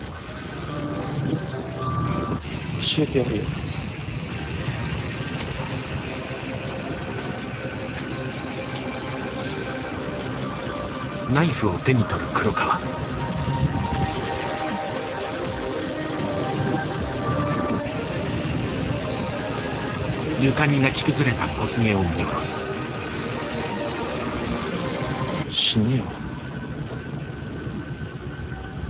教えてやるよ。死ねよ。